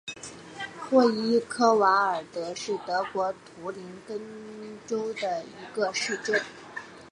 霍伊克瓦尔德是德国图林根州的一个市镇。